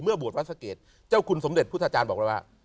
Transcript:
เมื่อบวชวัศเกตเจ้าคุณสมเด็จพุทธาจารย์บอกแล้วว่า